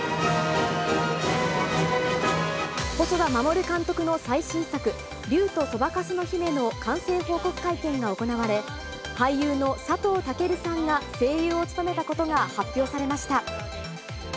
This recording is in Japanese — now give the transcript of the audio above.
細田守監督の最新作、竜とそばかすの姫の完成報告会見が行われ、俳優の佐藤健さんが声優を務めたことが発表されました。